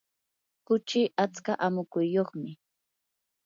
kuchi atska amukuyuqmi.